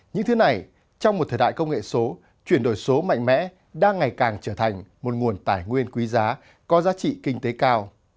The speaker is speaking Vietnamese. những thứ này trong một thời đại công nghệ số chuyển đổi số mạnh mẽ đang ngày càng trở thành một nguồn tài nguyên quý giá có giá trị kinh tế cao